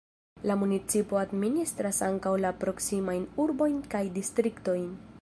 La municipo administras ankaŭ la proksimajn urbojn kaj distriktojn.